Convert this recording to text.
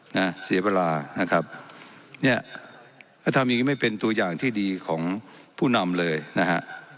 นะเสียเวลานะครับเนี่ยแล้วทำอย่างงี้ไม่เป็นตัวอย่างที่ดีของผู้นำเลยนะฮะ